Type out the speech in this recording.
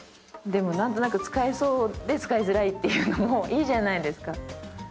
でも何となく使えそうで使いづらいっていうのもいいじゃないですか。